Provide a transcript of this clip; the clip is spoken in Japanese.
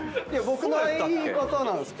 僕の相方なんですけど。